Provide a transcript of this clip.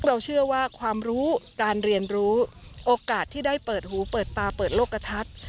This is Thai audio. เราเชื่อว่าความรู้การเรียนรู้โอกาสที่ได้เปิดหูเปิดตาเปิดโลกกระทัด